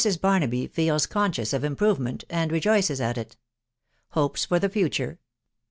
BARKABY FEELS CONSCIOUS OF IMPROVEMENT, AVD m«ffifffn 41 IT. HOPES FOR THE FUTURE.